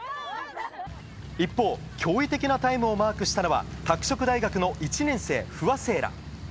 一方、驚異的なタイムをマークしたのは拓殖大学の１年生、不破聖衣来。